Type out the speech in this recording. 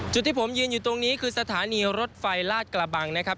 จุดที่ผมยืนอยู่ตรงนี้คือสถานีรถไฟลาดกระบังนะครับ